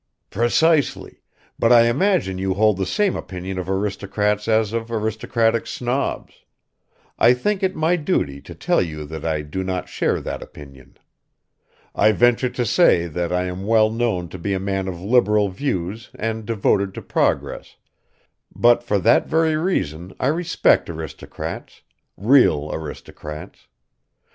"Precisely, but I imagine you hold the same opinion of aristocrats as of aristocratic snobs. I think it my duty to tell you that I do not share that opinion. I venture to say that I am well known to be a man of liberal views and devoted to progress, but for that very reason I respect aristocrats real aristocrats.